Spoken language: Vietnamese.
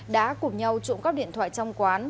đã cùng nhau trộm cắp điện thoại trong quán